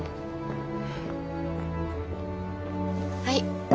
はい。